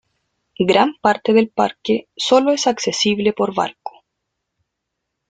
Gran parte del parque sólo es accesible por barco.